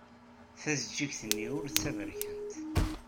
Tajejjigt-nni ur d taberkant.